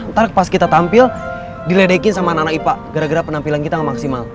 ntar pas kita tampil diledekin sama anak anak ipa gara gara penampilan kita gak maksimal